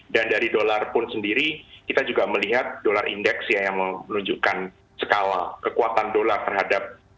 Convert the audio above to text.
dan dari dolar pun sendiri kita juga melihat dolar indeks ya yang menunjukkan skala kekuatan dolar terhadap